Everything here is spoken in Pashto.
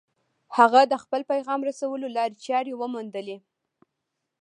هغه د خپل پيغام رسولو لارې چارې وموندلې.